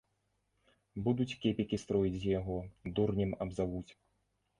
Будуць кепікі строіць з яго, дурнем абзавуць.